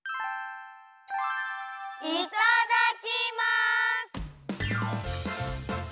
いただきます！